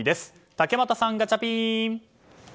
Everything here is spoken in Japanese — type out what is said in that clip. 竹俣さん、ガチャピン！